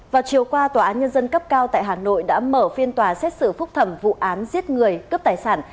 vào chiều qua tòa án nhân dân cấp cao tại hà nội đã mở phiên tòa xét xử phúc thẩm vụ án giết người cướp tài sản